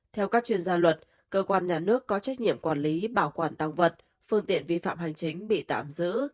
theo các chuyên gia luật cơ quan nhà nước có trách nhiệm quản lý bảo quản tăng vật phương tiện vi phạm hành chính bị tạm giữ